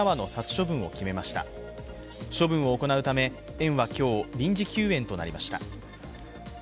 処分を行うため、園は今日、臨時休園となりました。